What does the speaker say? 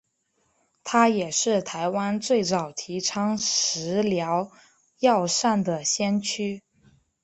他也是台湾最早提倡食疗药膳的先驱。